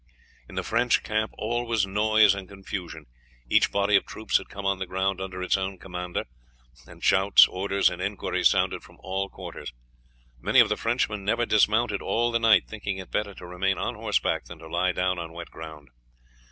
In the French camp all was noise and confusion. Each body of troops had come on the ground under its own commander, and shouts, orders, and inquiries sounded from all quarters. Many of the Frenchmen never dismounted all the night, thinking it better to remain on horseback than to lie down on wet ground.